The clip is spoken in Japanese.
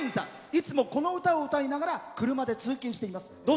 いつも、この歌を歌いながら車で通勤しています。